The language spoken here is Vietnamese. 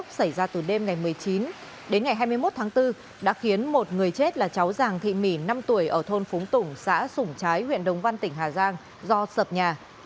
rông lốc xảy ra từ đêm ngày một mươi chín đến ngày hai mươi một tháng bốn đã khiến một người chết là cháu giàng thị mỉ năm tuổi ở thôn phúng tủng xã sủng trái huyện đồng văn tỉnh hà giang do sập nhà